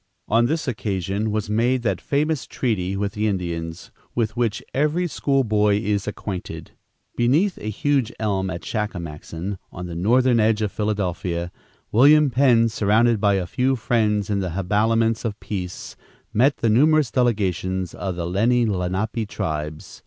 On this occasion was made that famous treaty with the Indians, with which every school boy is acquainted. Beneath a huge elm at Shakamaxon, on the northern edge of Philadelphia, William Penn, surrounded by a few friends, in the habiliments of peace, met the numerous delegations of the Lenni Lenape tribes.